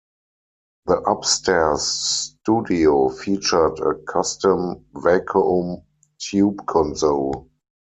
The upstairs studio featured a custom vacuum tube console.